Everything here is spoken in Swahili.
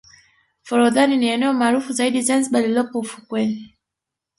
forodhani ni eneo maarufu zaidi zanzibar lililopo ufukweni